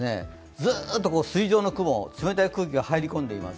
ずーっと筋状の雲、冷たい空気が入り込んでいてます。